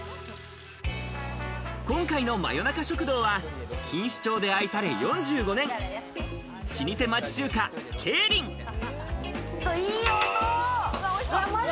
今回の真夜中食堂は錦糸町で愛され４５年、いい音！